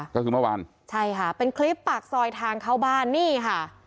ก็คือเมื่อวานใช่ค่ะเป็นคลิปปากซอยทางเข้าบ้านนี่ค่ะ